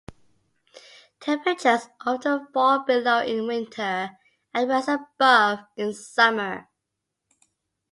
Temperatures often fall below in winter and rise above in summer.